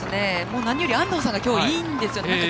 何より安藤さんがきょういいんですよね。